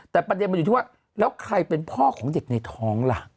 แต่ประเด็นมันอยู่ที่ว่าแล้วใครเป็นพ่อของเด็กในท้องล่ะ